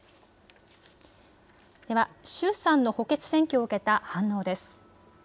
では衆参の補欠選挙を受けた反応です。